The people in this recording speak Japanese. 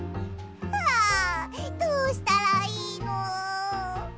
あどうしたらいいの！？